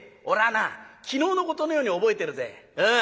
おらぁな昨日のことのように覚えてるぜ。